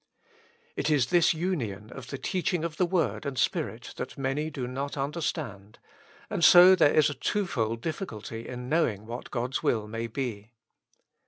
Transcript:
It is this union of the teaching of the word and Spirit that many do not understand, and so there is a twofold difficulty in knowing what God's will may be.